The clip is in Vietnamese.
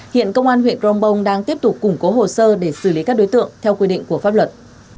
hiện công an huyện crong bông đang tiếp tục củng cố hồ sơ để xử lý các đối tượng theo quy định của pháp luật